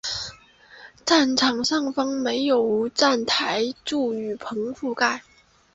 站场上方设有无站台柱雨棚覆盖。